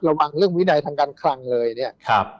ระวังเรื่องวินัยทางการคลังเลยเนี่ย